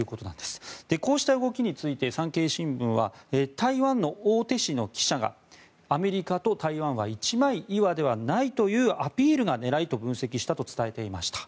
こうした動きについて産経新聞は台湾の大手紙の記者がアメリカと台湾は一枚岩ではないというアピールが狙いと分析したと伝えていました。